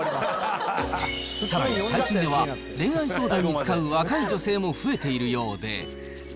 さらに最近では、恋愛相談に使う若い女性も増えているようで。